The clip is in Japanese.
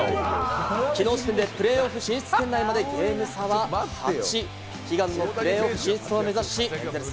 きのう時点でプレーオフ進出圏内まで、ゲーム差は８、悲願のプレーオフ進出を目指し、頑張れエンゼルス！